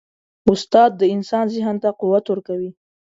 استاد د انسان ذهن ته قوت ورکوي.